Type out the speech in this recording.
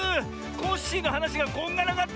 コッシーのはなしがこんがらがってて。